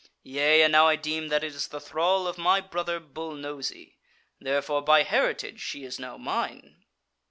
Yea, and now I deem that it is the thrall of my brother Bull Nosy. Therefore by heritage she is now mine."